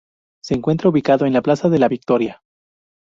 Se encuentra ubicado en la Plaza de la Victoria.